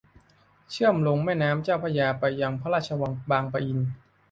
เชื่อมลงแม่น้ำเจ้าพระยาไปพระราชวังบางประอิน